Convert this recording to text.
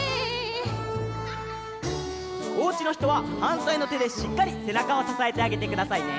おうちのひとははんたいのてでしっかりせなかをささえてあげてくださいね。